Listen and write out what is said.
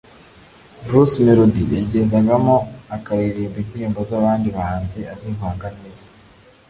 Bruce Melody yagezagamo akaririmba indirimbo z’abandi bahanzi azivanga n’ize